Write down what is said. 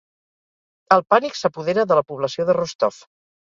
El pànic s'apodera de la població de Rostov